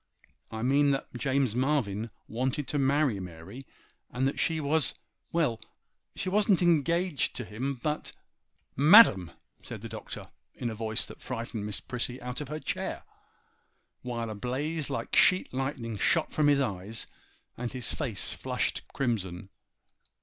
I mean that James Marvyn wanted to marry Mary, and that she was—well! she wasn't engaged to him—but—' 'MADAM!!' said the Doctor, in a voice that frightened Miss Prissy out of her chair, while a blaze like sheet lightning shot from his eyes and his face flushed crimson.